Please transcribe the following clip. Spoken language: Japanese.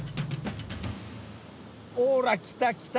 ほら来た来た！